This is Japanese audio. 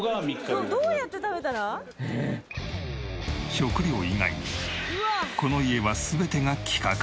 食料以外にもこの家は全てが規格外。